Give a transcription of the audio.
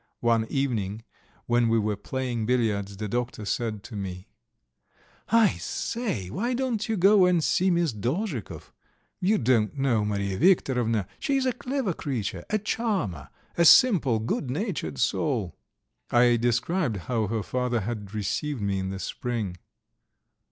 One evening, when we were playing billiards, the doctor said to me: "I say, why don't you go and see Miss Dolzhikov? You don't know Mariya Viktorovna; she is a clever creature, a charmer, a simple, good natured soul." I described how her father had received me in the spring.